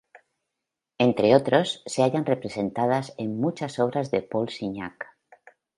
Entre otros se hallan representadas en muchas obras de Paul Signac.